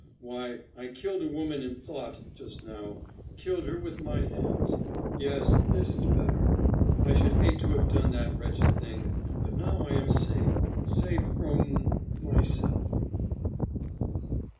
Why, I killed a woman in thought just now killed her, with my hands. Yes, this is better. I should hate to have done that wretched thing, but now I am safe safe from myself."